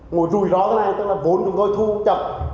ngồi rủi ro thế này tức là vốn chúng tôi thu chậm